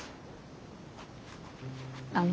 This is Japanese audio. あの。